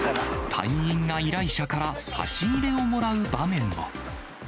隊員が依頼者から差し入れをもらう場面も。